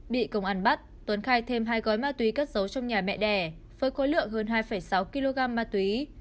bị công an bắt tuấn khai thêm hai gói ma túy cất dấu trong nhà mẹ đẻ với khối lượng hơn hai sáu kg ma túy